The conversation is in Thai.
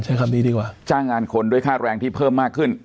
ใช้คำนี้ดีกว่าจ้างงานคนด้วยค่าแรงที่เพิ่มมากขึ้น